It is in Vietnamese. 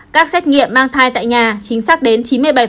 các xét nghiệm mang thai tại nhà chính xác đến chín mươi bảy